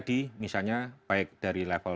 di misalnya baik dari level